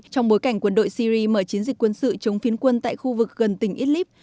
trong bối cảnh quân đội syri mở chiến dịch quân sự chống phiến quân tại khu vực gần tỉnh idlib